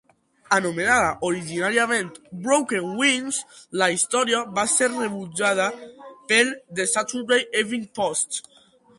Anomenada originàriament "Broken Wings", la història va ser rebutjada pel The Saturday Evening Post.